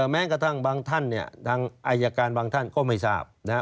แม้กระทั่งบางท่านเนี่ยทางอายการบางท่านก็ไม่ทราบนะฮะ